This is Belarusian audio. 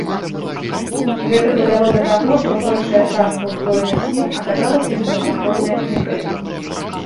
Гэта прывяло да таго, што большая частка ўзброеных сіл аказалася непадкантрольная камітэту.